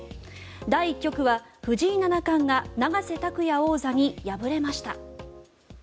第１局は藤井七冠が永瀬拓矢王座に敗れました。